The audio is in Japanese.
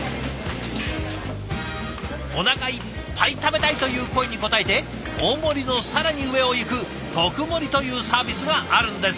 「おなかいっぱい食べたい！」という声に応えて大盛りの更に上を行く特盛りというサービスがあるんです。